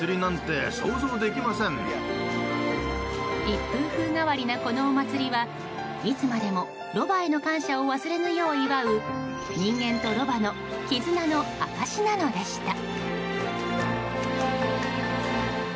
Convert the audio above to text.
一風、風変わりなこのお祭りはいつまでもロバへの感謝を忘れぬよう祝う人間とロバの絆の証しなのでした。